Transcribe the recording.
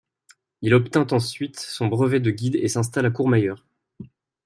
Il obtient ensuite son brevet de guide et s'installe à Courmayeur.